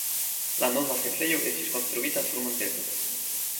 La nova setlejo estis konstruita sur monteto.